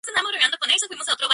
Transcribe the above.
Se mudó de Pasadena a St.